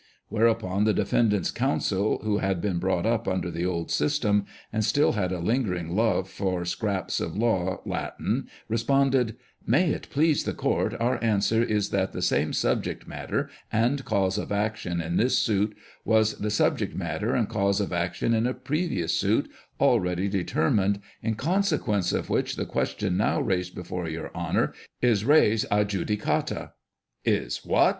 Whereupon the defendant's counsel, who had been brought up under the old system and still had a lingering love for scraps of law Latin, responded, " May it please the court, our answer is that the same subject matter and cause of action in this suit was the subject matter and cause of action in a previous suit already determined, ia consequence of which the question now raised before your honour, is res adjudicata." " Is what